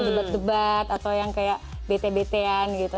gebat gebat atau yang kayak bete betean gitu